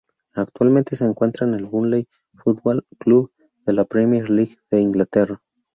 Actualmente se encuentra en el Burnley Football Club de la Premier League de Inglaterra.